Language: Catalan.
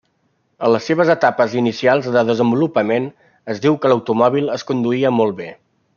En les seves etapes inicials de desenvolupament, es diu que l'automòbil es conduïa molt bé.